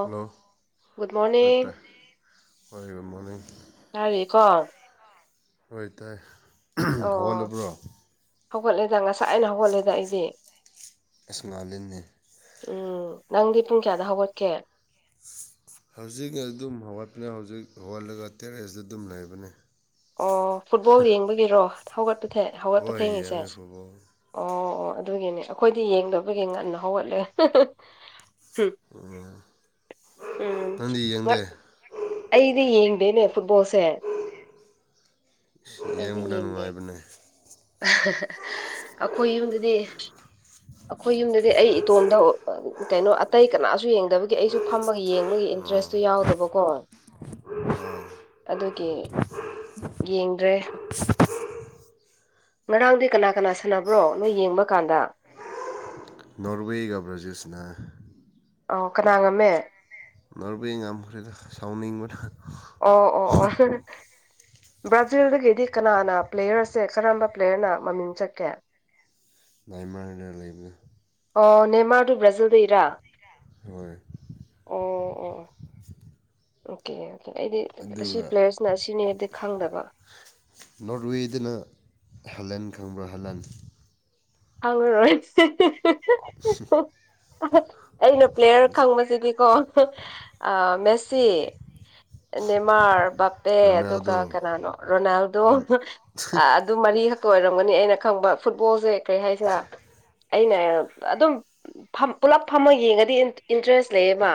Hello good ꯇꯥꯏ morning ꯇꯥꯏ ꯑꯩꯈꯣꯏ ꯔꯨꯝ ꯃꯃꯤꯡ ꯌꯥꯔꯦꯀꯣ꯫ ꯇꯥꯏ ꯇꯥꯏ ꯑꯣ ꯍꯧꯒꯠꯂꯕ꯭ꯔꯣ ꯍꯧꯒꯠꯂꯦꯗ ꯉꯁꯥꯏꯅ ꯍꯧꯒꯠꯂꯦꯗ ꯑꯩꯗꯤ ꯑꯦꯁ ꯁꯅꯥ ꯂꯤꯟꯅꯦ ꯎꯝ ꯅꯪꯗꯤ ꯄꯨꯡ ꯀꯌꯥꯗ ꯍꯧꯒꯠꯀꯦ ꯍꯧꯖꯤꯛ ꯑꯗꯨꯝ ꯍꯧꯒꯠꯄꯅ ꯍꯧꯖꯤꯛ ꯍꯧꯒꯠꯂꯒ ꯇꯦꯔꯦꯁꯇ ꯑꯗꯨꯝ ꯂꯩꯕꯅꯤ ꯑꯣ ꯐꯨꯠꯕꯣꯜ ꯌꯦꯡꯕꯒꯤꯔꯣ ꯍꯧꯒꯠꯄꯊ‌ꯦ ꯍꯧꯒꯠꯄ ꯍꯣꯏ ꯊꯦꯡꯉꯤꯁꯦ꯫ ꯌꯦꯡꯉꯦ ꯐꯨꯠꯕꯣꯜ ꯑꯣ ꯑꯣ ꯑꯗꯨꯒꯤꯅꯦ ꯑꯈꯣꯏꯗꯤ ꯌꯦꯡꯗꯕꯒꯤ ꯉꯟꯅ ꯍꯧꯒꯠꯂꯦ꯫ ꯍꯝ ꯎꯝ ꯎꯝ ꯅꯪꯗꯤ ꯌꯦꯡꯗꯦ ꯑꯩꯗꯤ ꯌꯦꯡꯗꯦꯅꯦ ꯐꯨꯠꯕꯣꯜꯁꯦ꯫ ꯑꯩꯗꯤ ꯌꯦꯡꯕꯅ ꯌꯦꯡꯗꯦ ꯅꯨꯡꯉꯥꯏꯕꯅꯦ ꯑꯩꯈꯣꯏ ꯌꯨꯝꯗꯗꯤ ꯑꯈꯣꯏ ꯌꯨꯝꯗꯗꯤ ꯑꯩ ꯏꯇꯣꯝꯗ ꯀꯩꯅꯣ ꯑꯇꯩ ꯀꯅꯥꯁꯨ ꯌꯦꯡꯗꯕꯒꯤ ꯑꯩꯁꯨ ꯐꯝꯃꯒ ꯌꯦꯡꯕꯒꯤ ꯏꯟꯇ꯭ꯔꯦꯁ꯫ ꯁꯨ ꯌꯥꯎꯗꯕꯀꯣ [unintelligible] ꯑꯗꯨꯒꯤ ꯌꯦꯡꯗ꯭ꯔꯦ ꯉꯔꯥꯡꯗꯤ ꯀꯅꯥ ꯀꯅꯥ ꯁꯥꯟꯅꯕ꯭ꯔꯣ ꯅꯣꯏ ꯌꯦꯡꯕ ꯀꯥꯟꯗ ꯄꯋꯦꯒꯕ꯭ꯔꯥꯖꯦꯁꯅ ꯑꯥꯎ ꯀꯅꯥ ꯉꯝꯃꯦ ꯅꯚ ꯌꯥꯝꯈ꯭ꯔꯦꯗ ꯁꯥꯎꯅꯤꯡꯕꯗ ꯑꯣ ꯑꯣ ꯑꯣ ꯕ꯭ꯔꯥꯖꯤꯜꯗꯒꯤꯗꯤ ꯀꯅꯥꯅ ꯄ꯭ꯂꯦꯌꯔꯁꯦ ꯀꯔꯝꯕ ꯄ꯭ꯂꯦꯌꯔꯅ ꯃꯃꯤꯡ ꯆꯠꯀꯦ꯫ [inaudible] ꯥꯅꯦꯃꯔꯅ ꯂꯩꯕꯅꯦ ꯑꯣ ꯅꯦꯃꯥꯔꯗꯨ ꯕ꯭ꯔꯥꯖꯤꯜꯗ ꯏꯔꯥ꯫ ꯍꯣꯏ ꯑꯣ ꯑꯣꯀꯦ ꯑꯣꯀꯦ ꯑꯩꯗꯤ ꯑꯁꯤ ꯑꯗꯨꯒ ꯄ꯭ꯂꯦꯌꯔꯁꯤꯅ ꯑꯁꯤꯅꯦ ꯍꯥꯏꯕꯗꯤ ꯈꯪꯗꯕ ꯅꯣꯔꯠꯋꯦꯗꯅ ꯍꯂꯟ ꯈꯪꯕ꯭ꯔꯥ ꯍꯂꯟ ꯍꯥꯡꯉꯔꫭꯏ꯫ ꯑꯩꯅ ꯄ꯭ꯂꯦꯌꯔ ꯈꯪꯕꯁꯤꯗꯤꯀꯣ ꯃꯦꯁꯤ ꯅꯦꯃꯥꯔ ꯕꯥꯞꯄꯦ ꯑꯗꯨꯒ ꯔꯣꯅꯥꯜꯗꯣ ꯀꯅꯥꯅꯣ ꯔꯣꯅꯥꯜꯗꯣ ꯑ ꯑꯗꯨ ꯃꯔꯤ ꯈꯛꯇ ꯑꯣꯏꯔꯝꯒꯅꯤ ꯑꯩꯅ ꯈꯪꯕ ꯐꯨꯠꯕꯣꯜꯁꯦ ꯀꯔꯤ ꯍꯥꯏꯁꯤꯔ ꯑꯩꯅ ꯑꯗꯨꯝ ꯄꯨꯂꯞ ꯐꯝꯃ ꯌꯦꯡꯉꯗꯤ ꯏꯟꯇꯔꯦꯁ ꯂꯩꯌꯦꯕ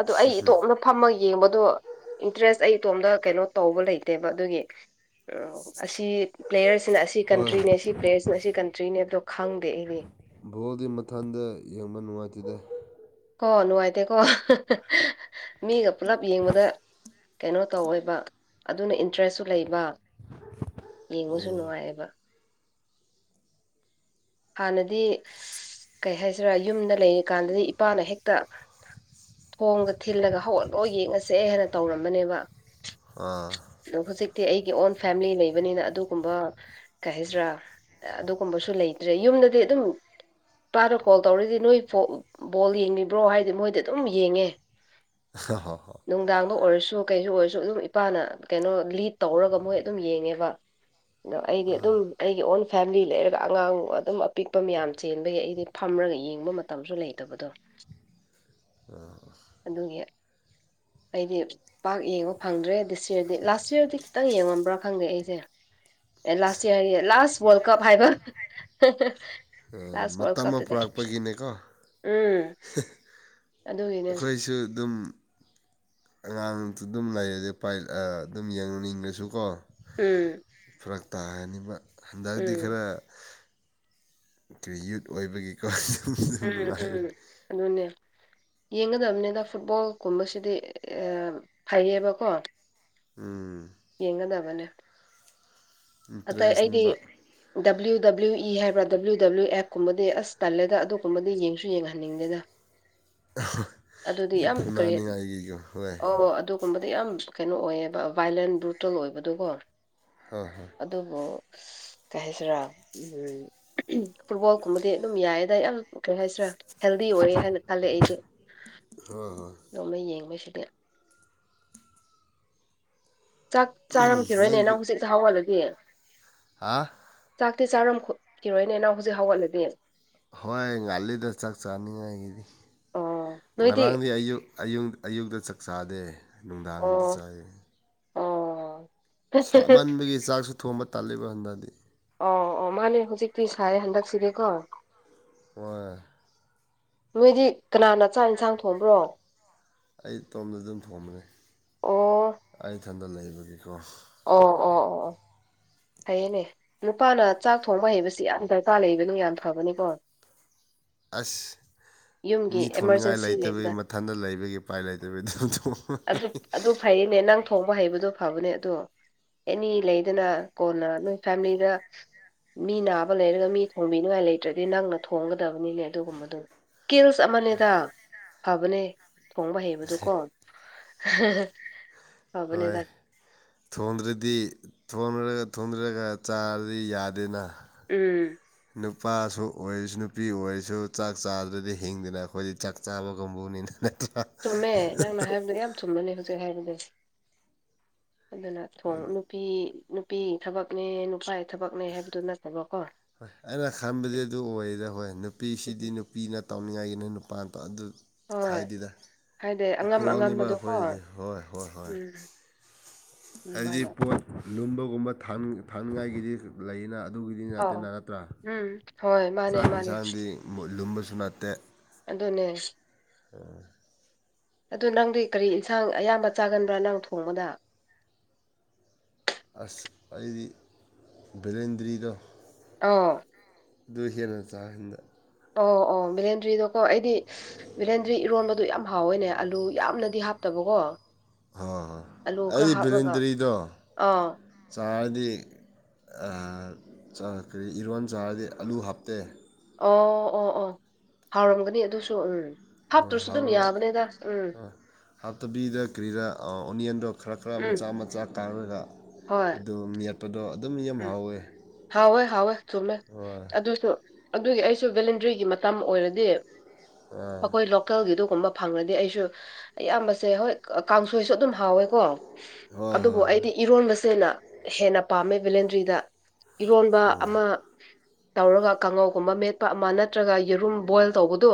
ꯑꯗꯨ ꯑꯩ ꯏꯇꯣꯝꯇ ꯐꯝꯃ ꯌꯦꯡꯕꯗꯣ ꯏꯟꯇꯔꯦꯁ ꯑꯩ ꯏꯇꯣꯝꯇ ꯀꯩꯅꯣ ꯇꯧꯕ ꯂꯩꯇꯦꯕ ꯑꯗꯨꯒꯤ ꯑꯣ ꯑꯁꯤ ꯄ꯭ꯂꯦꯌꯔꯁꯤꯅ ꯑꯁꯤ ꯍꯣꯏ ꯀꯟꯇ꯭ꯔꯤꯅꯦ ꯑꯁꯤ ꯄ꯭ꯂꯦꯌꯔꯁꯤꯅ ꯑꯁꯤ ꯀꯟꯇ꯭ꯔꯤꯅꯦ ꯗꯣ ꯈꯪꯗꯦ ꯑꯩꯗꯤ꯫ ꯚꯣꯜꯒꯤ ꯃꯊꯟꯗ ꯌꯦꯡꯕ ꯅꯨꯡꯉꯥꯏꯇꯦꯗ ꯀꯣ ꯅꯨꯡꯉꯥꯏꯇꯦꯀꯣ ꯃꯤꯒ ꯄꯨꯂꯞ ꯌꯦꯡꯕꯗ ꯀꯩꯅꯣ ꯇꯧꯋꯦꯕ ꯑꯗꯨꯅ ꯏꯟꯇꯔꯦꯁꯁꯨ ꯂꯩꯕ꯫ ꯌꯦꯡꯕꯁꯨ ꯅꯨꯡꯉꯥꯏꯌꯦꯕ ꯍꯥꯟꯅꯗꯤ ꯀꯩ ꯍꯥꯏꯁꯤꯔꯥ ꯌꯨꯝꯗ ꯂꯩꯔꯤꯀꯥꯟꯗꯗꯤ ꯏꯄꯥꯅ ꯍꯦꯛꯇ ꯊꯣꯡꯒ ꯊꯤꯜꯂꯒ ꯍꯧꯒꯠꯂꯣ ꯌꯦꯡꯉꯁꯦ ꯍꯥꯏꯅ ꯇꯧꯔꯝꯕꯅꯦꯕ꯫ ꯑꯥ ꯍꯧꯖꯤꯛꯇꯤ ꯑꯩꯒꯤ ꯑꯣꯟ ꯐꯦꯃꯤꯂꯤ ꯂꯩꯕꯅꯤꯅ ꯑꯗꯨꯒꯨꯝꯕ꯫ ꯀꯩ ꯍꯥꯏꯖ꯭ꯤꯔ ꯑꯗꯨꯒꯨꯝꯕꯁꯨ ꯂꯩꯇ꯭ꯔꯦ ꯌꯨꯝꯗꯗꯤ ꯑꯗꯨꯝ ꯏꯄꯥꯅ ꯀꯣꯜ ꯇꯧꯔꯗꯤ ꯅꯣꯏ ꯕꯣꯜ ꯌꯦꯡꯉꯤꯕ꯭ꯔꯣ ꯍꯥꯏꯗꯤ ꯃꯣꯏꯗꯤ ꯑꯗꯨꯝ ꯌꯦꯡꯉꯦ ꯍꫭ ꯍꯣ ꯍꯣ꯫ ꯅꯨꯡꯗꯥꯡꯗ ꯑꯣꯏꯔꯁꯨ ꯀꯩꯁꯨ ꯑꯣꯏꯔꯁꯨ ꯑꯗꯨꯝ ꯏꯄꯥꯅ ꯀꯩꯅꯣ ꯂꯤꯠ ꯇꯧꯔꯒ ꯃꯣꯏ ꯑꯗꯨꯝ ꯌꯦꯡꯉꯦꯕ ꯑꯩꯗꯤ ꯑꯥ ꯑꯗꯨꯝ ꯑꯩꯒꯤ ꯑꯣꯟ ꯐꯦꯃꯤꯂꯤ ꯂꯩꯔꯒ ꯑꯉꯥꯡ ꯑꯗꯨꯝ ꯑꯄꯤꯛꯄ ꯃꯌꯥꯝ ꯆꯦꯟꯕꯒꯤ ꯑꯩꯗꯤ ꯐꯝꯔꯒ ꯌꯦꯡꯕ ꯃꯇꯝꯁꯨ ꯂꯩꯇꯕꯗꯣ ꯑꯗꯨꯒꯤ ꯑ ꯑꯩꯗꯤ ꯄꯥꯛ ꯌꯦꯡꯕ ꯐꯪꯗ꯭ꯔꯦ ꯗꯤꯁ ꯌꯤꯔꯗꯤ ꯂꯥꯁ ꯌꯤꯔꯗꯤ ꯈꯤꯇꯪ ꯌꯦꯡꯉꯝꯕ꯭ꯔꯥ ꯈꯪꯗꯦ ꯑꯩꯁꯦ ꯑꯦ ꯂꯥꯁ ꯏꯌꯔ ꯍꯥꯏꯌꯦ ꯂꯥꯁ ꯋꯥꯔꯜ ꯀꯞ ꯍꯥꯏꯕ ꯍ ꯍ ꯇꯝꯃ ꯄꯨꯔꯥꯥꯛꯄꯒꯤꯅꯦꯀꯣ ꯎꯝ ꯑꯗꯨꯒꯤꯅꯦ ꯑꯩꯈꯣꯏꯁꯨ ꯑꯗꯨꯝ ꯑꯉꯥꯡꯇꯨ ꯗꯨꯝ ꯂꯩꯔꯗꯤ ꯄꯥꯏ ꯑꯗꯨꯝ ꯌꯦꯡꯅꯤꯡꯉꯁꯨ ꯀꯣ꯫ ꯎꯝ ꯐꯔꯛ ꯇꯥꯔꯅꯤꯕ ꯍꯟꯗꯛꯇꯤ ꯎꯝ ꯈꯔ ꯇꯌꯨꯠ ꯑꯣꯏꯕꯒꯤ ꯑꯁ ꯍꯨ ꯍ ꯎꯝ ꯎꯝ ꯑꯗꯨꯅꯦ ꯌꯦꯡꯒꯗꯝꯅ‌ꯦꯗ ꯐꯨꯠꯕꯣꯜ ꯀꯨꯝꯕꯁꯤꯗꯤ ꯐꯩꯌꯦꯕꯀꯣ꯫ ꯎꯝ ꯌꯦꯡꯒꯗꯕꯅꯦ꯫ ꯑꯇꯩ ꯑꯩꯗꯤ ꯏꯟꯇꯔꯦꯁꯅꯦꯕ ꯗꯕ꯭ꯂꯤꯎ ꯗꯕ꯭ꯂꯤꯎ ꯏ ꯍꯥꯏꯕ꯭ꯔꯥ ꯗꯕ꯭ꯂꯤꯎ ꯗꯕ꯭ꯂꯤꯎ ꯑꯦꯞꯀꯨꯝꯕꯗꯤ ꯑꯁ ꯇꯜꯂꯦꯗ ꯑꯗꯨꯒꯨꯝꯕꯗꯤ ꯌꯦꯡꯁꯨ ꯌꯦꯡꯍꯟꯅꯤꯡꯗꯦꯗ꯫ [inaudible] ꯑꯗꯨꯗꯤ ꯃꯤ ꯌꯥꯝ ꯐꯨꯅꯥꯅꯤꯉꯥꯏꯒꯤꯒ ꯍꯣꯏ ꯒꯨꯝꯕꯗꯤ ꯌꯥꯝ ꯀꯩꯅꯣ ꯑꯣꯏꯌꯦꯕ ꯚꯥꯏꯂꯦꯟ ꯕ꯭ꯔꯨꯇꯦꯜ ꯑꯣꯏꯕꯗꯨ ꯀꯣ ꯍꯣꯏ ꯍꯣꯏ ꯑꯗꯨꯕꯨ ꯀꯩ ꯍꯥꯏꯁꯤꯔꯥ꯫ ꯐꯨꯠꯕꯣꯜ ꯀꯨꯝꯕꯗꯤ ꯑꯗꯨꯝ ꯌꯥꯏꯌꯦꯗ ꯌꯥꯝ ꯀꯩ ꯍꯥꯏꯁꯤꯔꯥ ꯍꯦꯜꯗꯤ ꯑꯣꯏꯔꯦ ꯍꯥꯏꯅ ꯈꯜꯂꯦ ꯑꯩꯗꯨ ꯂꯣꯏꯃ ꯌꯦꯡꯕꯁꯤꯗꯤ ꯆꯥꯛ ꯆꯥꯔꯝꯈꯤꯔꯣꯏꯅꯦ ꯅꯪ ꯍꯧꯖꯤꯛꯁꯦ ꯍꯧꯍꯜꯂꯗꯤ ꯍꯥꯥ ꯆꯥꯛꯇꯤ ꯆꯥꯔꯝ ꯈꯣꯠꯈꯤꯔꯣꯏꯅꯦ ꯅꯪ ꯍꯧꯖꯤꯛ ꯍꯧꯒꯠꯂꯗꯤ꯫ ꯍꯣꯏ ꯉꯥꯜꯂꯤꯗ ꯆꯥꯛ ꯆꯥꯅꯤꯡꯉꯥꯏꯒꯤꯗꯤ ꯑꯣ ꯅꯣꯏꯗꯤ ꯉꯔꯥꯡꯗꯤ ꯑꯌꯨꯛ ꯑꯌꯨꯛꯇ ꯆꯥꯛ ꯆꯥꯗꯦ ꯅꯨꯡꯗꯥꯡꯗ ꯑꯣ ꯆꯥꯏꯌ‌ꯦ꯫ ꯑꯣ ꯁꯥꯃꯟꯕꯒꯤ ꯆꯥꯛꯁꯨ ꯊꯣꯡꯕ ꯇꯥꯜꯂꯤꯕ ꯍꯟꯗꯗꯤ ꯑꯣ ꯑꯣ ꯃꯥꯅꯦ ꯍꯧꯖꯤꯛꯇꯤ ꯁꯥꯏꯌ‌ꯦ ꯍꯟꯗꯛꯁꯤꯗꯤꯀꯣ꯫ ꯋꯥ ꯅꯣꯏꯗꯤ ꯀꯅꯥꯅ ꯆꯥꯛ ꯑ‌ꯦꯟꯁꯥꯡ ꯊꯣꯡꯕ꯭ꯔꯣ꯫ ꯑꯩ ꯇꯣꯝꯅ ꯑꯗꯨꯝ ꯊꯣꯡꯕꯅꯤ ꯑꯣ ꯑꯩ ꯏꯊꯟꯗ ꯂꯩꯕꯒꯤꯀꯣ ꯑꯣ ꯑꯣ ꯑꯣ ꯑꯣ ꯐꯩꯌꯦꯅꯦ ꯅꯨꯄꯥꯅ ꯆꯥꯛ ꯊꯣꯡꯕ ꯍꯩꯕꯁꯤ ꯌꯥꯝ ꯗꯔꯀꯥꯔ ꯂꯩꯕꯅꯤ ꯌꯥꯝ ꯐꯕꯅꯤꯀꯣ [inaudible] ꯑꯁ ꯌꯨꯝꯒꯤ ꯃꯤ ꯊꯣꯟꯅꯤꯡꯉꯥꯏ ꯑꯦꯃꯥꯔꯖꯦꯟꯁꯤ ꯂꯩꯕꯗ ꯂꯩꯇꯕꯒꯤ ꯃꯊꯟꯇ ꯂꯩꯕꯒꯤ ꯎꯄꯥꯏ ꯂꯩꯇꯕꯒꯤ ꯑꯗꯨꯝ ꯊꯣꯛ ꯑꯗꯨ ꯑꯗꯨ ꯐꯩꯌꯦꯅꯦ ꯅꯪ ꯊꯣꯡꯕ ꯍꯩꯕꯗꯣ ꯐꯕꯅꯦ ꯑꯗꯣ ꯑꯦꯅꯤ ꯂꯩꯗꯅ ꯀꯣꯟꯅ ꯅꯣꯏ ꯐꯦꯃꯤꯂꯤꯒ ꯃꯤ ꯅꯥꯕ ꯂꯩꯔꯒ ꯃꯤ ꯊꯣꯡꯕꯤꯅꯤꯉꯥꯏ ꯂꯩꯇ꯭ꯔꯗꯤ ꯅꯪꯅ ꯊꯣꯡꯒꯗꯕꯅꯤꯅꯦ ꯑꯗꯨꯒꯨꯝꯕꯗꯨ꯫ ꯀꯤꯜꯁ ꯑꯃꯅꯦꯗ ꯐꯕꯅꯦ ꯊꯣꯡꯕ ꯍꯩꯕꯗꯨꯀꯣ [unintelligible] ꯐꯕꯅꯦꯗ ꯍꯣꯏ ꯊꯣꯡꯗ꯭ꯔꯗꯤ ꯊꯣꯡꯉ ꯊꯣꯡꯗ꯭ꯔꯒ ꯆꯥꯔꯗꯤ ꯌꯥꯗꯦꯅ ꯎꯝ ꯅꯨꯄꯥꯁꯨ ꯑꯣꯏꯔꯁꯨ ꯅꯨꯄꯤ ꯑꯣꯏꯔꯁꯨ ꯆꯥꯛ ꯆꯥꯗ꯭ꯔꯗꯤ ꯍꯤꯡꯗꯅ ꯑꯩꯈꯣꯏꯗꯤ ꯆꯥꯛ ꯆꯥꯕ ꯀꯥꯡꯕꯨꯅꯤꯅ ꯅꯠꯇ‌ꯦ ꯍꯥ꯫ ꯆꯨꯝꯃꯦ ꯅꯪꯅ ꯍꯥꯏꯕ ꯌꯥꯝ ꯆꯨꯝꯕꯅ‌ꯦ ꯍꯧꯖꯤꯛ ꯍꯥꯏꯕꯗ ꯑꯗꯨꯅ ꯊꯣꯡ꯫ ꯅꯨꯄꯤ ꯅꯨꯄꯤ ꯊꯕꯛꯅꯦ ꯅꯨꯄꯥꯏ ꯊꯕꯛꯅꯦ ꯍꯥꯏꯕꯗꯨꯣ ꯅꯠꯇꯕꯀꯣ ꯍꯣꯏ ꯑꯩꯅ ꯈꯟꯕꯗꯤ ꯑꯗꯨ ꯑꯣꯏꯗ ꯍꯣꯏ ꯅꯨꯄꯤꯁꯤꯗꯤ ꯎꯝ ꯅꯨ ꯅꯨꯄꯤꯅ ꯇꯧꯅꯤꯡꯉꯥꯏꯒꯤ ꯅ ꯅꯨꯄꯥꯗꯣ ꯑꯗꯨ ꯍꯣꯏ ꯈꯥꯏꯗꯦꯗ ꯍꯥꯏꯗꯤ ꯑꯉꯝ ꯏꯀꯣꯡꯡꯝꯉꯤꯕ ꯑꯉꯝꯕꯗꯣꯀꯣ ꯑꯩꯈꯣꯏꯗꯤ ꯍꯣꯏ ꯍꯣꯏ ꯍꯣꯏ ꯎꯝ ꯍꯥꯏꯕꯗꯤ ꯑꯗꯨꯃꯥꯏꯅ ꯄꯣꯠ ꯂꯨꯝꯕꯒꯨꯝꯕ ꯊꯥꯡ ꯊꯥꯡꯅꯤꯡꯉꯥꯏꯒꯤꯗꯤ ꯂꯩꯅ ꯑꯗꯨꯒꯤꯗꯤ꯫ ꯑꯥꯎ ꯅꯠꯇꯦꯅ ꯅꯠꯇ꯭ꯔꯥ ꯎꯝ꯫ ꯍꯣꯏ ꯃꯥꯅꯦ ꯆꯥꯛ ꯃꯥꯅꯦ ꯌꯦꯟꯁꯥꯡꯗꯤ ꯃꯨꯠ ꯂꯨꯝꯕꯁꯨ ꯅꯠꯇꯦ ꯑꯗꯨꯅꯦ ꯑ ꯑꯗꯨ ꯅꯪꯗꯤ ꯀꯔꯤ ꯏꯟꯁꯥꯡ ꯑꯌꯥꯝꯕ ꯆꯥꯒꯟꯕ꯭ꯔꯥ ꯅꯪ ꯊꯣꯡꯕꯗ ꯑꯁ ꯑꯩꯗꯤ ꯕꯂꯦꯟꯗ꯭ꯔꯤꯗ ꯑꯣ ꯗꯨ ꯍꯦꯟꯅ ꯆꯥꯍꯟꯗ ꯑꯣ ꯑꯣ ꯕꯤꯂꯦꯟꯗ꯭ꯔꯤꯗꯣꯀꯣ ꯑꯩꯗꯤ ꯚꯂꯦꯟꯗ꯭ꯔꯤ ꯏꯔꯣꯟꯕꯗꯨ ꯌꯥꯝ ꯍꯥꯎꯋꯦꯅꯦ ꯑꯂꯨ ꯌꯥꯝꯅꯗꯤ ꯍꯥꯞꯇꯕꯀꯣ꯫ ꯍ ꯍꯣꯏ ꯑꯂꯨ ꯈꯔ ꯑꯩ ꯍꯥꯞꯂꯒ ꯚꯂꯤꯟꯗꯔꯤꯗꯣ ꯑꯥ ꯆꯥꯔꯗꯤ ꯑ ꯆ ꯀꯔꯤ ꯏꯔꯣꯟ ꯆꯥꯔꯗꯤ ꯑꯂꯨ ꯍꯥꯞꯇꯦ ꯑꯣ ꯑꯣ ꯑꯣ ꯍꯥꯎꯔꯝꯒꯅꯤ ꯑꯗꯨꯁꯨ ꯎꯝ ꯍꯣꯏ ꯍꯥꯞꯇ꯭ꯔꯁꯨ ꯑꯗꯨꯝ ꯍꯥꯎꯔꯣꯏ ꯌꯥꯕꯅꯦꯗ ꯎꯝ ꯍꯥꯞꯇꯕꯤꯗ ꯀ꯭ꯔꯤꯔꯥ ꯑꯣꯅꯤꯌꯟꯗꯣ ꯈꯔ ꯈꯔ ꯎꯝ ꯃꯆꯥ ꯃꯆꯥ ꯀꯥꯔꯒ ꯍꯣꯏ ꯑꯗꯨ ꯃꯦꯠꯄꯗꯣ ꯑꯗꯨꯝ ꯌꯥꯝ ꯎꯝ ꯍꯥꯎꯋꯦ ꯍꯥꯎꯋꯦ ꯍꯥꯎꯋꯦ ꯆꯨꯝꯃꯦ ꯍꯣꯏ ꯑꯗꯨꯁꯨ ꯑꯗꯨꯒꯤ ꯑꯩꯁꯨ ꯚꯦꯂꯦꯟꯗ꯭ꯔꯤꯒꯤ ꯃꯇꯝ ꯑꯣꯏꯔꯗꯤ ꯑꯥ ꯑꯩꯈꯣꯏ ꯂꯣꯀꯦꯜꯒꯤ ꯑꯗꯨ ꯒꯨꯝꯕ ꯐꯪꯅꯗꯤ ꯑꯩꯁꯨ ꯑꯌꯥꯝꯕꯁꯦ ꯍꯣꯏ ꯀꯥꯡꯁꯣꯏꯁꯨ ꯑꯗꯨꯝ ꯍꯥꯎꯋꯦꯀꯣ ꯍꯣꯏ ꯑꯗꯨꯕꯨ ꯍꯣꯏ ꯍꯣꯏ ꯑꯩꯗꯤ ꯏꯔꯣꯟꯕꯁꯦꯅ ꯍꯦꯟꯅ ꯄꯥꯝꯃꯦ ꯚꯤꯂꯦꯟꯗ꯭ꯔꯤꯗ ꯏꯔꯣꯟꯕ ꯑꯃ ꯇꯧꯔꯒ ꯀꯥꯡꯉꯧꯒꯨꯝꯕ ꯃꯦꯠꯄ ꯑꯃ ꯅꯠꯇ꯭ꯔꯒ ꯌꯦꯔꯨꯝ ꯕꯣꯏꯜ ꯇꯧꯕꯗꯣ꯫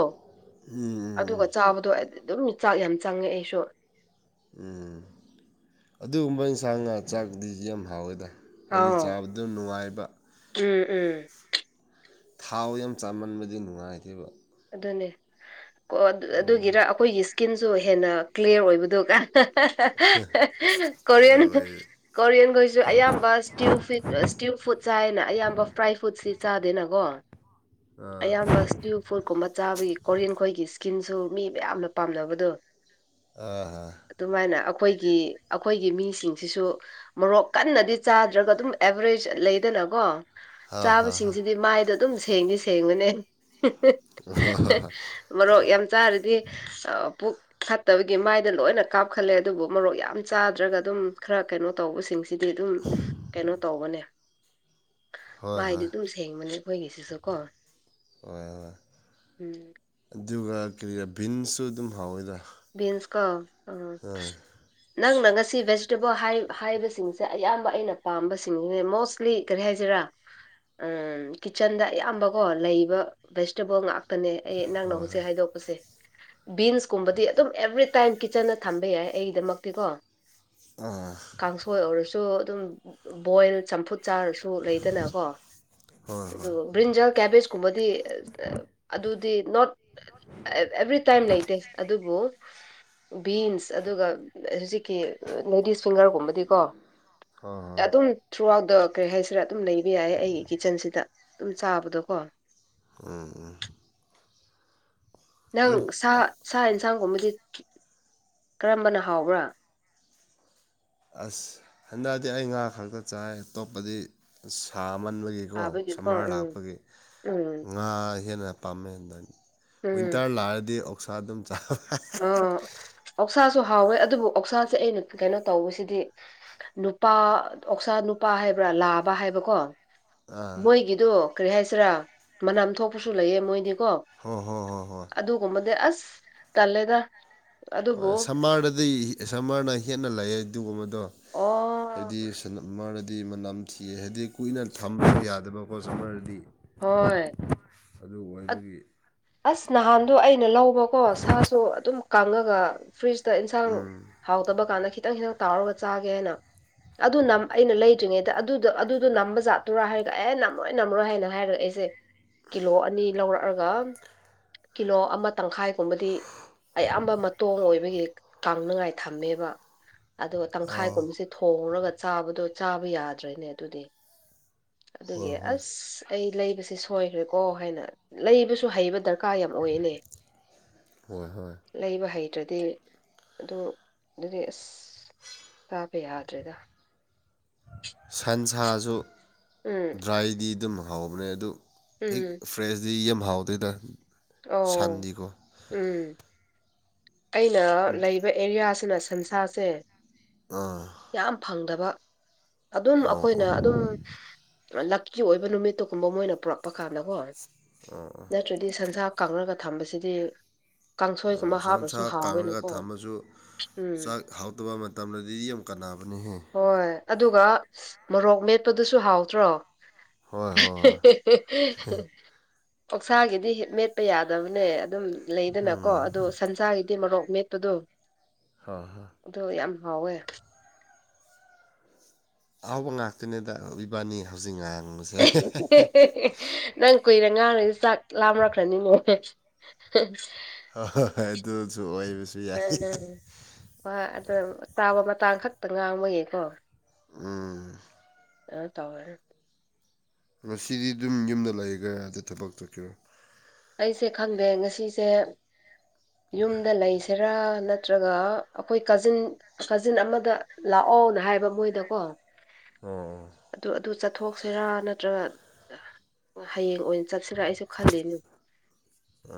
ꯎꯝ ꯑꯗꯨꯒ ꯎꯝ ꯆꯥꯕꯗꯣ ꯑꯗꯨꯝ ꯆꯥꯛ ꯌꯥꯝ ꯆꯪꯉꯦ ꯑꯩꯁꯨ꯫ ꯎꯝ ꯑꯗꯨꯒꯨꯝꯕ ꯌꯦꯟꯁꯥꯡ ꯉꯥ ꯆꯥꯛꯗꯤ ꯌꯥꯝ ꯍꯥꯎꯋꯦꯗ ꯍꯥꯏꯗꯤ ꯑꯥꯎ ꯆꯥꯕꯗꯨ ꯅꯨꯡꯉꯥꯏꯕ ꯎꯝ ꯎꯝ ꯊꯥꯎ ꯌꯥꯝ ꯆꯥꯃꯟꯕꯗꯤ ꯅꯨꯡꯉꯥꯏꯇꯦꯕ ꯑꯗꯨꯅꯦ ꯀꯣ ꯑꯗꯨ ꯑꯗꯨꯒꯤꯔ ꯑꯩꯈꯣꯏꯒꯤ ꯁ꯭ꯀꯤꯟꯁꯨ ꯍꯦꯟꯅ ꯀ꯭ꯂꯤꯌꯥꯔ ꯑꯣꯏꯕꯗꯨꯒ [unintelligible] ꯑꯗꯨ ꯀ‌ꯣꯔꯤꯌꯟ ꯑꯣꯏ ꯀꯣꯔꯤꯌꯟꯈꯩꯁꯨ ꯑꯌꯥꯝꯕ ꯏꯁꯇꯤꯌꯨ ꯐꯨꯗ ꯏꯁꯇꯤꯌꯨ ꯐꯨꯗ ꯆꯥꯏꯌꯦꯅ ꯑꯌꯥꯝꯕ ꯐ꯭ꯔꯥꯏ ꯐꯨꯗꯁꯤ ꯆꯥꯗꯦꯅꯀꯣ ꯑꯥ ꯑꯌꯥꯝꯕ ꯏꯁ꯭ꯇ꯭ꯌꯨ ꯐꯨꯗ ꯀꯨꯝꯕ ꯆꯥꯕꯒꯤ ꯀꯣꯔꯤꯌꯟ ꯈꯣꯏꯒꯤ ꯏꯁꯀꯤꯟꯁꯨ ꯃꯤ ꯃꯌꯥꯝꯅ ꯄꯥꯝꯅꯕꯗꯣ [inaudible] ꯑꯥ ꯑꯗꯨꯃꯥꯏꯅ ꯑꯩꯈꯣꯏꯒꯤ ꯑꯩꯈꯣꯏꯒꯤ ꯃꯤꯁꯤꯡꯁꯤꯁꯨ ꯃꯣꯔꯣꯛ ꯀꯟꯅꯗꯤ ꯆꯥꯗ꯭ꯔꯒ ꯑꯗꯨꯝ ꯑꯦꯚ꯭ꯔꯦꯖ ꯂꯩꯗꯅꯀꯣ ꯍꯥ ꯍꯥ ꯍꯥ ꯆꯥꯕꯁꯤꯡꯁꯤꯗꯤ ꯃꯥꯏꯗ‌ꯣ ꯑꯗꯨꯝ ꯁꯦꯡꯗꯤ ꯁꯦꯡꯕꯅꯦ ꯍꯣꯏ ꯍꯣꯏ ꯍꯣꯏ ꯃꯔꯣꯛ ꯌꯥꯝ ꯆꯥꯔꯗꯤ ꯄꯨꯛ ꯐꯠꯇꯕꯒꯤ ꯃꯥꯏꯗ ꯂꯣꯏꯅ ꯀꯥꯞꯈꯠꯂꯦ ꯑꯗꯨꯕꯨ ꯃꯨꯔꯣꯛ ꯌꯥꯝ ꯆꯥꯗ꯭ꯔꯒ ꯑꯗꯨꯝ ꯈꯔ ꯀꯩꯅꯣ ꯇꯧꯕꯁꯤꯡꯁꯤ ꯗꯤ ꯑꯗꯨꯝ ꯀꯩꯅꯣ ꯇꯧꯕꯅꯦ ꯍꯣꯏ ꯍꯣꯏ ꯃꯥꯏꯗꯤ ꯑꯗꯨꯝ ꯁꯦꯡꯕꯅꯦ ꯑꯩꯈꯣꯏꯒꯤꯁꯤꯁꯨ ꯀꯣ ꯍꯣꯏ ꯍꯣꯏ꯫ ꯎꯝ ꯑꯗꯨꯒ ꯀꯔꯤꯔꯥ ꯚꯤꯟꯁꯁꯨ ꯑꯗꯨꯝ ꯍꯥꯎꯋꯦꯗ ꯕꯤꯟꯁ ꯀꯣ ꯑ ꯍꯣꯏ ꯅꯪꯅ ꯉꯁꯤ ꯚꯦꯖꯤꯇꯦꯕꯜ ꯍꯥꯏ ꯍꯥꯏꯕꯁꯤꯡꯁꯦ ꯑꯌꯥꯝꯕ ꯑꯩꯅ ꯄꯥꯝꯕꯁꯤꯡꯅꯦ ꯃꯣꯁꯂꯤ ꯀꯔꯤ ꯍꯥꯏꯁꯤꯔꯥ ꯎ ꯀꯤꯠꯆꯟꯗ ꯑꯌꯥꯝꯕꯀꯣ ꯂꯩꯕ ꯚꯦꯖꯤꯇꯦꯕꯜ ꯉꯥꯛ ꯇꯅꯦ ꯑꯩ ꯅꯪꯅ ꯍꯣꯏ ꯍꯧꯖꯤꯛ ꯍꯣꯏ ꯍꯥꯏꯗꯣꯛꯄꯁꯦ ꯕꯤꯟꯁ ꯀꯨꯝꯕꯗꯤ ꯑꯗꯨꯝ ꯑꯦꯕ꯭ꯔꯤ ꯇꯥꯏꯝ ꯀꯤꯠꯆꯟꯗ ꯊꯝꯕ ꯌꯥꯏ ꯑꯩꯗꯃꯛꯇꯤꯀꯣ꯫ ꯑꯥ꯫ ꯀꯥꯡꯁꯣꯏ ꯑꯣꯏꯔꯁꯨ ꯑꯗꯨꯝ ꯕꯣꯏꯜ ꯆꯝꯐꯨꯠ ꯆꯥꯔꯁ ꯇꯨ ꯂ‌ꯩꯗꯅꯀꯣ ꯍꯣꯏ ꯑꯗꯨ꯫ ꯍꯣꯏ ꯕ꯭ꯔꯤꯟꯖꯜ ꯀꯦꯕꯦꯖꯀꯨꯝꯕꯗꯤ ꯑ ꯑꯗꯨꯗꯤ ꯅꯣꯠ꯫ ꯑꯦꯚ꯭ꯔꯤ ꯇꯥꯏꯝ ꯂꯩꯇꯦ ꯑꯗꯨꯕꯨ ꯕꯤꯟꯁ ꯑꯗꯨꯒ ꯍꯧꯖꯤꯛꯀꯤ ꯂꯦꯗꯤꯁ ꯐꯤꯡꯒꯔꯒꯨꯝꯕꯗꯤꯀꯣ ꯍꯣꯏ ꯍꯣꯏ ꯑꯗꯨꯝ꯫ ꯊ꯭ꯔꯨ ꯑꯥꯎꯠ ꯗ ꯀꯔꯤ ꯍꯥꯏꯁꯤꯔꯥ ꯑꯗꯨꯝ ꯂꯩꯕ ꯌꯥꯏ ꯑꯩꯒꯤ ꯀꯤꯆꯟꯁꯤꯗ ꯑꯗꯨꯝ ꯆꯥꯕꯗꯣꯀꯣ ꯎꯝ ꯎꯝ꯫ ꯅꯪ ꯑꯗꯨ ꯁꯥ ꯁꯥ ꯌꯦꯟꯁꯥꯡꯒꯨꯝꯕꯗꯤ ꯀꯔꯝꯕꯅ ꯍꯥꯎꯕ꯭ꯔꯥ꯫ ꯑꯁ ꯍꯟꯗꯛꯗꯤ ꯑꯩ ꯉꯥ ꯈꯛꯇ ꯆꯥꯏ ꯑꯇꯣꯞꯄꯗꯤ ꯁꯥ ꯃꯟꯕꯒꯤ ꯀꯣ ꯍꯥꯕꯒꯤꯀꯣ ꯁꯝꯃꯥꯔ ꯎꯝ ꯂꯥꯛꯄꯒꯤ ꯎꯝ ꯉꯥ ꯍꯦꯟꯅ ꯄꯥꯝꯃꯦ ꯑꯗꯥꯟ ꯎꯝ ꯋꯤꯟꯇꯔ ꯂꯥꯛꯔꯗꯤ ꯑꯣꯛꯁꯥ ꯑꯗꯨꯝ ꯆꯥꯕ [unintelligible] ꯑ ꯑꯣꯛꯁꯥꯁꯨ ꯍꯥꯎꯋ‌ꯦ ꯑꯗꯨꯕꯨ ꯑꯣꯛꯁꯥꯁꯦ ꯑꯩꯅ ꯀꯩꯅꯣ ꯇꯧꯕꯁꯤꯗꯤ ꯅꯨꯄꯥ ꯑꯣꯛꯁꯥ ꯅꯨꯄꯥ ꯍꯥꯏꯕ꯭ꯔꯥ ꯂꯥꯕ ꯍꯥꯏꯕꯀꯣ꯫ ꯑꯥ ꯃꯣꯏꯒꯤꯗꯤ ꯀꯔꯤ ꯍꯥꯏꯁꯤꯔꯥ ꯃꯅꯝ ꯊꯣꯛꯄꯁꯨ ꯂꯩꯌꯦ ꯃꯣꯏꯗꯤꯀꯣ ꯍꯣ ꯍꯣ ꯍꯣꯏ ꯍꯣꯏ ꯑꯗꯨꯒꯨꯝꯕꯗꯤ ꯑꯁ ꯇꯜꯂꯦꯗ ꯑꯗꯨꯕꯨ ꯍꯣꯏ ꯁꯝꯃꯔꯗꯗꯤ ꯁꯝꯃꯔꯅ ꯍꯦꯟꯅ ꯂꯩꯌꯦ ꯑꯗꯨꯒꯨꯝꯕ꯫ ꯗꯣ ꯑꯣ ꯍꯥꯏꯗꯤ ꯁꯟꯃꯔꯗꯗꯤ ꯃꯅꯝ ꯊꯤ ꯍꯥꯏꯗꯤ ꯀꯨꯏꯅ ꯊꯝꯕ ꯌꯥꯗꯕꯀꯣ ꯁꯃꯔꯗꯗꯤ ꯍꯣꯏ ꯑꯠ꯫ ꯑꯁ ꯅꯍꯥꯟꯗꯣ ꯑꯩꯅ ꯂꯧꯕꯀꯣ ꯁꯥꯁꯨ ꯑꯗꯨꯝ ꯀꯪꯉꯒ ꯐ꯭ꯔꯤꯖꯇ ꯌꯦꯟꯁꯥꯡ ꯎꯝ ꯍꯥꯎꯇꯕ ꯀꯥꯟꯗ ꯈꯤꯇꯪ ꯈꯤꯇꯪ ꯇꯥꯎꯔꯒ ꯆꯥꯒꯦ ꯍꯥꯏꯅ ꯑꯗꯨ ꯅꯝ ꯑꯩꯅ ꯂꯩꯇ꯭ꯔꯤꯉꯩꯗ ꯑꯗꯨꯗ ꯑꯗꯨꯗꯣ ꯅꯝꯕ ꯖꯥꯠꯇꯨꯔꯥ ꯍꯥꯏꯔꯒ ꯑꯦ ꯅꯝꯃꯣꯏ ꯅꯝꯃꯔꯣꯏ ꯍꯥꯏꯅ ꯍꯥꯏꯔꯒ ꯑꯩꯁꯦ ꯀꯤꯂꯣ ꯑꯅꯤ ꯂꯧꯔꯛꯑꯒ ꯀꯤꯂꯣ ꯑꯃ ꯇꯪꯈꯥꯏꯒꯨꯝꯕꯗꯤ꯫ ꯑꯌꯥꯝꯕ ꯃꯇꯣꯡ ꯑꯣꯏꯕꯒꯤ ꯀꯥꯡꯅꯉꯥꯏ ꯊꯝꯃꯦꯕ ꯑꯗꯣ ꯇꯪꯈꯥꯏ ꯑꯣ ꯀꯨꯝꯕꯤꯁꯦ ꯊꯣꯡꯔꯒ ꯆꯥꯕꯗꯣ ꯆꯥꯕ ꯌꯥꯗ꯭ꯔꯦꯅꯦ ꯑꯗꯨꯗꯤ ꯑꯗꯨꯒꯤ ꯍꯣꯏ ꯍꯣꯏ ꯑꯁ ꯑꯩ ꯂꯩꯕꯁꯦ ꯁꯣꯏꯈ꯭ꯔꯦꯀꯣ ꯍꯥꯏꯅ ꯂꯩꯕꯁꯨ ꯍꯩꯕ ꯗꯔꯀꯥꯔ ꯌꯥꯝ ꯑꯣꯏꯌ‌ꯦꯅꯦ꯫ ꯍꯣꯏ ꯍꯣꯏ ꯂꯩꯕ ꯍꯩꯇ꯭ꯔꯗꯤ ꯑꯗꯨ ꯑꯗꯨꯗꯤ ꯑꯁ꯫ ꯇꯥꯕ ꯌꯥꯗ꯭ꯔꯦꯗ ꯁꯟꯁꯁꯨ ꯎꯝ ꯗ꯭ꯔꯥꯏꯗꯤ ꯑꯗꯨꯝ ꯍꯧꯕꯅꯦ ꯑꯗꯨ ꯍꯦꯛ ꯎꯝ ꯐ꯭ꯔꯦꯁ ꯁꯤ ꯌꯥꯝ ꯍꯥꯎꯗꯣꯏꯗ ꯑꯣ ꯎꯝ ꯑꯩꯅ ꯂꯩꯕ ꯑꯦꯔꯤꯌꯥꯁꯤꯅ ꯁꯟꯁꯥꯁꯦ [unintelligible] ꯌꯥꯝ ꯐꯪꯗꯕ ꯑꯗꯨꯝ ꯑꯣ ꯑꯩꯈꯣꯏꯅ ꯑꯣ ꯑꯗꯨꯝ ꯂꯛꯀꯤ ꯑꯣꯏꯕ ꯅꯨꯃꯤꯠꯇꯨꯒꯨꯝꯕ ꯃꯣꯏꯅ ꯄꯨꯔꯛꯄ ꯀꯥꯟꯗꯀꯣ ꯅꯠꯇ꯭ꯔꯗꯤ ꯁꯟꯁꯥ ꯀꯥꯡꯂꯒ ꯊꯝꯕꯁꯤꯗꯤ ꯀꯥꯡꯁꯣꯏꯒꯨꯝꯕ ꯁꯟꯁꯥ ꯍꯥꯞꯂꯁꯨ ꯀꯉꯒ ꯍꯥꯎꯋꯦꯅꯀꯣ ꯊꯝꯃꯁꯨ ꯎꯝ ꯆꯥꯛ ꯍꯥꯎꯇꯕ ꯃꯇꯝꯗꯗꯤ ꯌꯥꯝ ꯀꯥꯟꯅꯕꯅꯦꯍꯦ ꯍꯣꯏ ꯑꯗꯨꯒ ꯃꯣꯔꯣꯛ ꯃꯦꯠꯄꯗꯨꯁꯨ ꯍꯥꯎꯇ꯭ꯔꯣ ꯍꯣꯏ ꯍꯣꯏ ꯍꯣꯏ ꯀꯛꯁꯥꯒꯤꯗꯤ ꯍꯦꯠꯃꯦꯠ ꯆꯠꯄ ꯌꯥꯗꯕꯅꯦ ꯑꯗꯨꯝ ꯂꯩꯗꯅꯀꯣ ꯑꯗꯨꯗꯣ ꯁꯟꯁꯥꯒꯤꯗꯤ ꯃꯣꯔꯣꯛ ꯃꯦꯠꯄꯗꯣ [unintelligible] ꯑꯣ ꯌꯥꯝ ꯍꯥꯎꯋꯦ ꯑꯍꯥꯎꯕ ꯉꯥꯛꯇꯅꯦꯗ ꯏꯕꯥꯅꯤ ꯍꯧꯖꯤꯛ ꯉꯥꯡꯁꯦ [unintelligible] ꯅꯪ ꯀꯨꯏꯅ ꯉꯥꯡ ꯂꯩꯔꯗꯤ ꯆꯥꯛ ꯂꯥꯝꯔꯛꯈ꯭ꯔꯅꯤꯅꯦ ꯍ ꯑꯗꯨꯁꯨ ꯑꯣꯏꯕꯁꯨ ꯌꯥꯏ ꯎꯝ ꯎꯝꯝ ꯍꯣꯏ ꯑꯗ ꯆꯥꯕ ꯃꯇꯥꯡ ꯈꯛꯇ ꯉꯥꯡꯕꯒꯀꯣ ꯎꯝ ꯑ ꯇꯧ꯭ꯔ ꯉꯁꯤꯗꯤ ꯑꯗꯨꯝ ꯌꯨꯝꯗ ꯂꯩꯒꯗ ꯊꯕꯛ ꯆꯠꯀꯔꯣ ꯑꯩꯁꯦ ꯈꯪꯗꯦ ꯉꯁꯤꯁꯦ ꯌꯨꯝꯗ ꯂꯩꯁꯤꯔꯥ ꯅꯠꯇ꯭ꯔꯒ ꯑꯩꯈꯣꯏ ꯀꯖꯤꯟ ꯀꯥꯖꯤꯟ ꯑꯃꯗ ꯂꯥꯛꯑꯣꯅ ꯍꯥꯏꯕ ꯃꯣꯏꯗꯀꯣ [unintelligible] ꯑꯗꯨ ꯑꯗꯨ ꯆꯠꯊꯣꯛꯁꯤꯔꯥ ꯅꯠꯇ꯭ꯔꯒ ꯍꯩꯌꯦꯡ ꯑꯣꯏꯅ ꯆꯠꯁꯤꯔ ꯑꯩꯁꯨ ꯈꯜꯂꯤꯅꯨ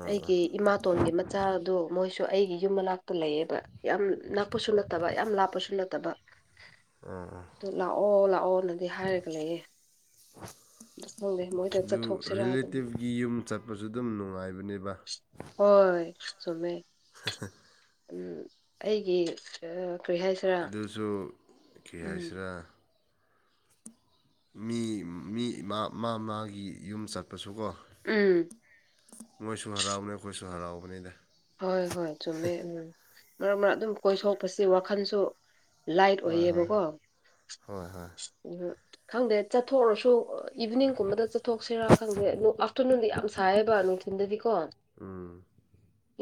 ꯑꯩꯒꯤ ꯏꯃꯥꯇꯣꯟꯒꯤ ꯃꯆꯥꯗꯣ ꯃꯣꯏꯁꯨ ꯑꯩꯒꯤ ꯌꯨꯝ ꯃꯅꯥꯛꯇ ꯂꯩꯌꯦꯕ ꯌꯥꯝ ꯉꯛꯄꯁꯨ ꯐꯠꯇꯕ ꯌꯥꯝ ꯂꯥꯞꯄꯁꯨ ꯅꯠꯇꯕ [unintelligible] ꯑꯗꯨ ꯂꯥꯛꯑꯣ ꯂꯥꯛꯑꯣꯅꯗꯤ ꯍꯥꯏꯔꯒ ꯂꯩꯌꯦꯦ ꯑꯗꯨ ꯈꯪꯗꯦ ꯃꯣꯏꯗ ꯑꯗꯨ ꯆꯠꯊꯣꯛꯁꯤꯔꯥ ꯑꯗꯨꯝ ꯔꯤꯂꯦꯇꯤꯞꯒꯤ ꯌꯨꯝ ꯆꯠꯄꯁꯨ ꯑꯗꯨꯝ ꯅꯨꯡꯉꯥꯏꯕꯅꯦꯕ ꯍꯣꯏ ꯆꯨꯝꯃꯦ ꯎꯝ ꯑꯩꯒꯤ ꯀꯔꯤ ꯍꯥꯏꯁꯤꯔꯥ ꯣ ꯀ ꯎꯝ ꯍꯥꯏꯁꯤꯔꯥ ꯃꯤ ꯃꯤ ꯃꯥ ꯃꯥꯒꯤ ꯌꯨꯝ ꯆꯠꯄꯁꯨ ꯀꯣ ꯎꯝ ꯃꯣꯏꯁꯨ ꯍꯔꯥꯎꯕꯅꯤ ꯑꯩꯈꯣꯏꯁꯨ ꯍꯔꯥꯎꯕꯅꯤꯗ ꯍꯣꯏ ꯍꯣꯏ ꯆꯨꯝꯃꯦ ꯎꯝ ꯃꯔꯛ ꯃꯔꯛ ꯑꯗꯨꯝ ꯀꯣꯏ ꯁꯣꯛꯄꯁꯤ ꯋꯥꯈꯜꯁꯨ ꯂꯥꯏꯠ ꯍꯣꯏ ꯍꯣꯏ ꯑꯣꯏꯌꯦꯕꯀꯣ ꯑ ꯍꯣꯏ ꯍꯣꯏ ꯈꯪꯗꯦ ꯆꯠꯊꯣꯛꯔꯁꯨ ꯏꯚꯤꯅꯤꯡꯒꯨꯝꯕꯗ ꯆꯠꯊꯣꯛꯁꯤꯔꯥ ꯈꯪꯗꯦ ꯑꯗꯨ ꯑꯥꯐꯇꯔꯅꯨꯟꯗ ꯌꯥꯝ ꯁꯥꯏꯌꯦꯕ ꯊꯤꯟꯗꯗꯤꯀꯣ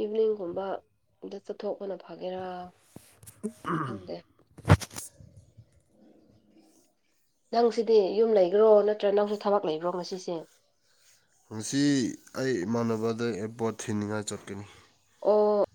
ꯏꯚꯤꯅꯤꯡꯒꯨꯝꯕꯗ ꯆꯠꯊꯣꯛꯄꯅ ꯐꯒꯦꯔꯥ ꯈꯪꯗꯦ ꯅꯪꯁꯤꯗꯤ ꯌꯨꯝ ꯂꯩꯒ꯭ꯔꯣ ꯅꯠꯇ꯭ꯔ ꯅꯪꯁꯨ ꯊꯕꯛ ꯂꯩꯕ꯭ꯔꯣ ꯉꯁꯤꯁꯦ ꯉꯁꯤ ꯑꯩ ꯏꯃꯥꯟꯅꯕꯗ ꯑꯦꯔꯄꯣꯠ ꯊꯤꯅꯤꯡꯉꯥꯏ ꯆꯠꯀꯅꯤ ꯑꯣ